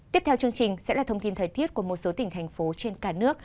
tiếp theo chương trình sẽ là thông tin thời tiết của một số tỉnh thành phố trên cả nước